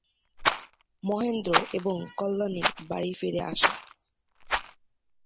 মহেন্দ্র এবং কল্যাণী বাড়ি ফিরে আসে।